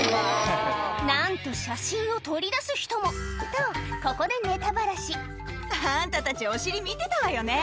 なんと写真を撮りだす人もとここでネタばらしあんたたちお尻見てたわよね？